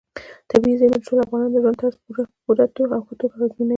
طبیعي زیرمې د ټولو افغانانو د ژوند طرز په پوره او ښه توګه اغېزمنوي.